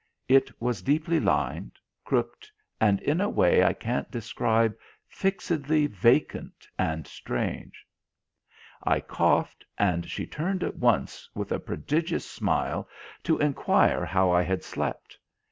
It was deeply lined, crooked, and, in a way I can't describe, fixedly vacant and strange. I coughed, and she turned at once with a prodigious smile to inquire how I had slept.